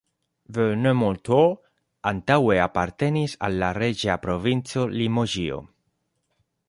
Verneuil-Moustiers antaŭe apartenis al la reĝa provinco Limoĝio.